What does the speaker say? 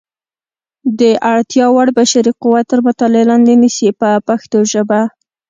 د اړتیا وړ بشري قوت تر مطالعې لاندې نیسي په پښتو ژبه.